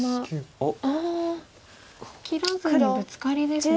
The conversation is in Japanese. あ切らずにブツカリですね。